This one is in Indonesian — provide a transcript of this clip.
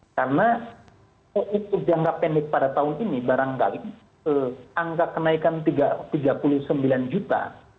karena untuk jangka pendek pada tahun ini barangkali angka kenaikan tiga puluh sembilan juta